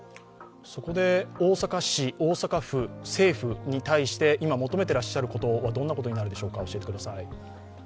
そこで大阪市、大阪府、政府に対して今求めていらっしゃることは、どんなことになるでしょうか。